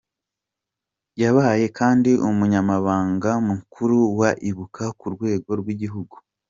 Yabaye kandi Umunyamabanga Mukuru wa Ibuka ku rwego rw’igihugu .